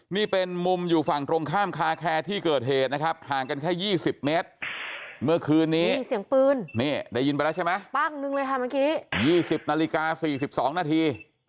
นี่เป็นมุมอยู่ฝั่งตรงข้ามคาแคร์ที่เกิดเหตุนะครับห่างกันแค่๒๐เมตรเมื่อคืนนี้มีเสียงปืนนี่ได้ยินไปแล้วใช่ไหมปั้งนึงเลยค่ะเมื่อกี้๒๐นาฬิกา๔๒นาที